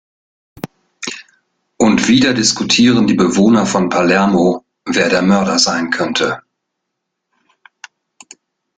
Und wieder diskutieren die Bewohner von Palermo, wer der Mörder sein könnte.